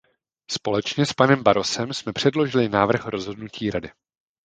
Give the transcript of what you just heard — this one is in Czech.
Společně s panem Barrosem jsme předložili návrh rozhodnutí Rady.